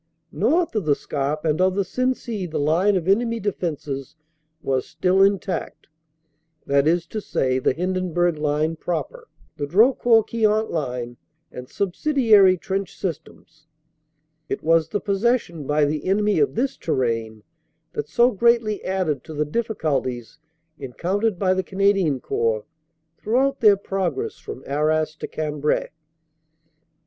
North of the Scarpe and of the Sensee the line of enemy defenses was still intact, that is to say the Hindenburg line proper, the Drocourt Queant line, and subsidiary trench systems. It was the possession by the enemy of this terrain that so greatly added to the difficulties encountered by the Cana dian Corps throughout their progress from Arras to Cambrai.